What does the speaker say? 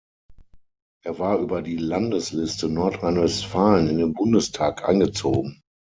Er war über die Landesliste Nordrhein-Westfalen in den Bundestag eingezogen.